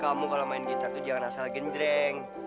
kamu kalo main gitar tuh jangan asal genjreng